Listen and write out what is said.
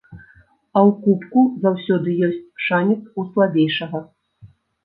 А ў кубку заўсёды ёсць шанец у слабейшага.